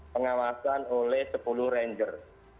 pengawasan oleh sepuluh ranger